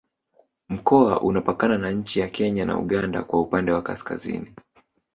Mkoa unapakana na Nchi ya Kenya na Uganda kwa upande wa Kaskazini